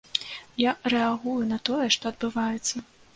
Я рэагую на тое, што адбываецца.